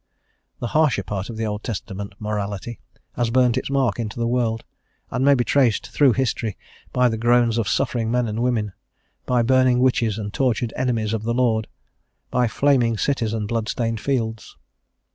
The harsher part of the Old Testament morality has burnt its mark into the world, and may be traced through history by the groans of suffering men and women, by burning witches and tortured enemies of the Lord, by flaming cities and blood stained fields.